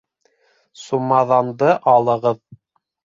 — Сумаҙанды алығыҙ!